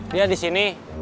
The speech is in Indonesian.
dia di sini